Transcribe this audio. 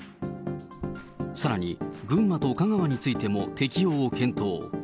さらに群馬と香川についても適用を検討。